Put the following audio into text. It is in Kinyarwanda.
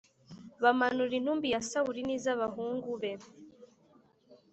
bamanura intumbi ya Sawuli nizabahungu be